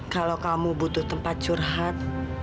kalau kamu butuh tempat curhat